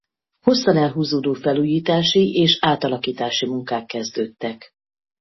Hosszan elhúzódó felújítási és átalakítási munkák kezdődtek.